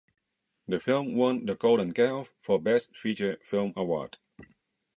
The film won the Golden Calf for Best Feature Film award.